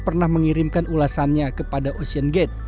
pernah mengirimkan ulasannya kepada ocean gate